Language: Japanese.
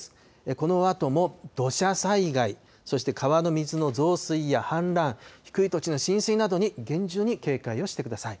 このあとも土砂災害、そして川の水の増水や氾濫、低い土地の浸水などに厳重に警戒をしてください。